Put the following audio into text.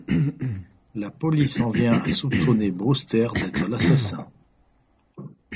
La police en vient à soupçonner Brewster d'être l'assassin.